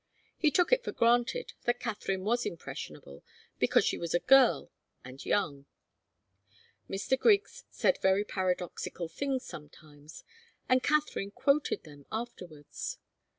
He took it for granted that Katharine was impressionable because she was a girl and young. Mr. Griggs said very paradoxical things sometimes, and Katharine quoted them afterwards.